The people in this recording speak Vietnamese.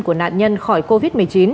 của nạn nhân khỏi covid một mươi chín